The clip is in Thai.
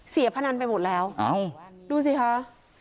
เสียพนันไปหมดแล้วอ้าวดูสิค่ะ